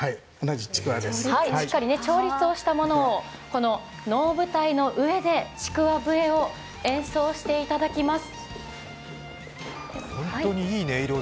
しっかり調律した笛で能舞台の上でちくわ笛を演奏していただきます。